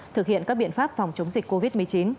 thực hiện các biện pháp phòng chống dịch covid một mươi chín